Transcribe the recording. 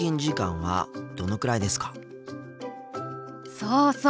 そうそう。